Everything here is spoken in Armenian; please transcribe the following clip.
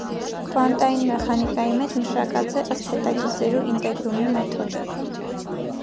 Քուանտային մեխանիկայի մէջ մշակած է ըստ հետագիծերու ինտեգրումի մեթոդը։